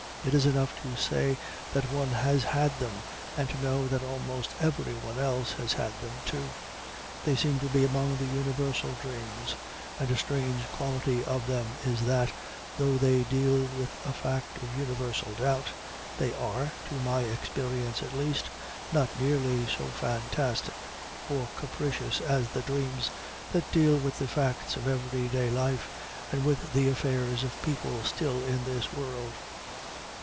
It is enough to say that one has had them, and to know that almost everyone else has had them, too. They seem to be among the universal dreams, and a strange quality of them is that, though they deal with a fact of universal doubt, they are, to my experience at least, not nearly so fantastic or capricious as the dreams that deal with the facts of every day life and with the affairs of people still in this world.